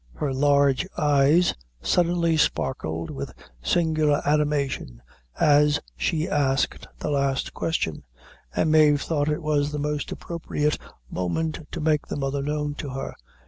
Her large eyes suddenly sparkled with singular animation as she asked the last question, and Mave thought it was the most appropriate moment to make the mother known to her.